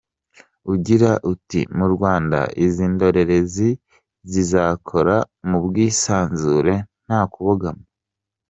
Ugira uti “Mu Rwanda, izi ndorerezi zizakora mu bwisanzure, nta kubogama.